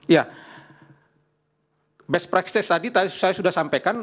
ya best practicess tadi saya sudah sampaikan